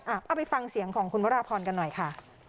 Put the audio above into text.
เอาไปฟังเสียงของคุณวราพรกันหน่อยค่ะ